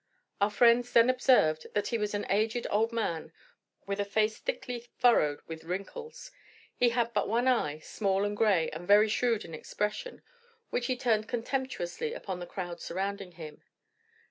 Our friends then observed that he was an aged man with a face thickly furrowed with wrinkles. He had but one eye, small and gray and very shrewd in expression, which he turned contemptuously upon the crowd surrounding him.